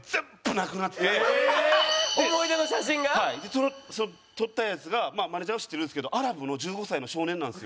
その取ったヤツがマネージャーは知ってるんですけどアラブの１５歳の少年なんですよ。